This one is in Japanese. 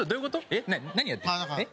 えっ？